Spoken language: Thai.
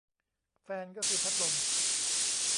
แฟนก็คือพัดลม